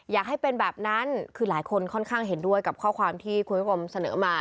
อยากให้เป็นแบบนั้นคือหลายคนค่อนข้างเห็นด้วยกับข้อความที่คุณผู้ชมเสนอมา